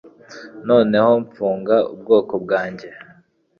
Noneho mfunga ubwonko bwanjye